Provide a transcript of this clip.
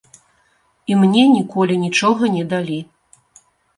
І мне ніколі нічога не далі.